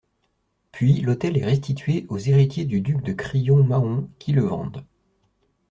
Puis l'hôtel est restitué aux héritiers du duc de Crillon-Mahon qui le vendent.